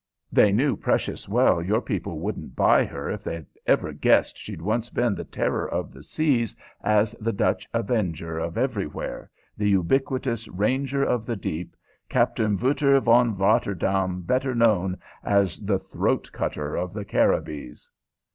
They knew precious well your people wouldn't buy her if they had ever guessed she'd once been the terror of the seas as the Dutch Avenger of everywhere, the ubiquitous ranger of the deep, Captain Wouter von Rotterdaam, better known as the Throat Cutter of the Caribbees."